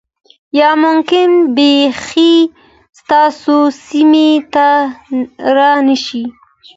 یا ممکن بیخی ستاسو سیمې ته را نشي